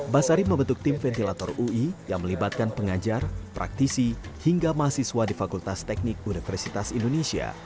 basari membentuk tim ventilator ui yang melibatkan pengajar praktisi hingga mahasiswa di fakultas teknik universitas indonesia